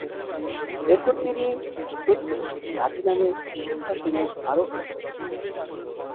এরপর তিনি প্রথম গাজি নামে সিংহাসনে আরোহণ করেন।